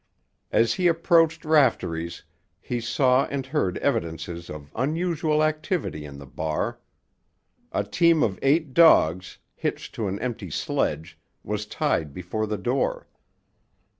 As he approached Raftery's he saw and heard evidences of unusual activity in the bar. A team of eight dogs, hitched to an empty sledge, was tied before the door.